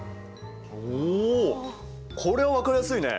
おおこりゃ分かりやすいね！